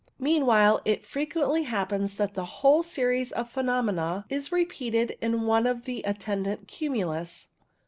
Meanwhile, it frequently happens that the whole series of phenomena is repeated in one of the attendant cumulus.